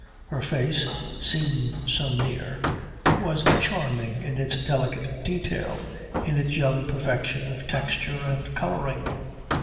Her face, seen so near, was charming in its delicate detail, in its young perfection of texture and colouring.